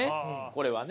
これはね。